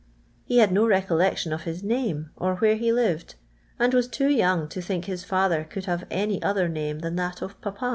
He had no recollection of his name, or where he lived, and was too young to think his father could have any other name than that of {Kip.